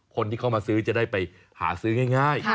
คนที่เข้ามาซื้อจะได้ไปหาซื้อง่าย